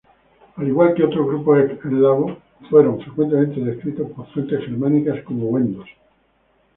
Al igual que otros grupos eslavos, fueron frecuentemente descritos por fuentes germánicas como wendos.